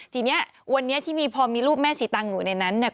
ทีนี้วันนี้ที่มีพอมีรูปแม่สีตังอยู่ในนั้นเนี่ย